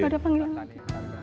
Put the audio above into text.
gak ada panggilan lagi